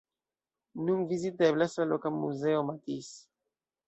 Nun viziteblas la loka muzeo Matisse.